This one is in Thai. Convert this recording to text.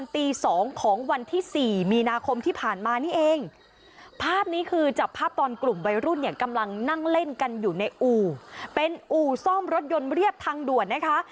ภาพนี้คือจับภาพตอนกลุ่มใบรุ่นเนี่ยกำลังนั่งเล่นกันอยู่ในอู่เป็นอู่ซ่อมรถยนต์เรียบทางด่วนนะคะ